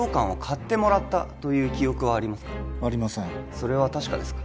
それは確かですか？